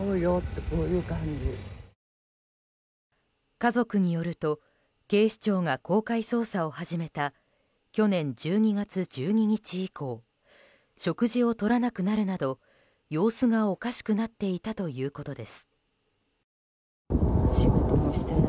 家族によると警視庁が公開捜査を始めた去年１２月１２日以降食事をとらなくなるなど様子がおかしくなっていたということです。